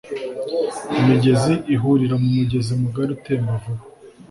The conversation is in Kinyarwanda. imigezi ihurira mumugezi mugari utemba vuba